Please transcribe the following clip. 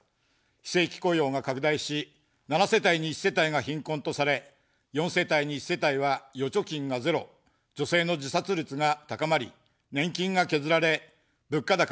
非正規雇用が拡大し、７世帯に１世帯が貧困とされ、４世帯に１世帯は預貯金がゼロ、女性の自殺率が高まり、年金が削られ、物価高がさらに生活を追い込んでいます。